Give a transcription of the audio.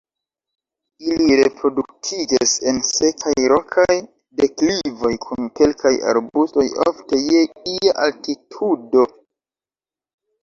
Ili reproduktiĝas en sekaj rokaj deklivoj kun kelkaj arbustoj, ofte je ia altitudo.